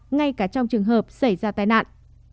ngay cả trong trường hợp xảy ra tai nạn